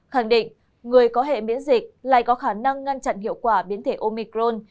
khẳng định người có hệ miễn dịch lại có khả năng ngăn chặn hiệu quả biến thể omicron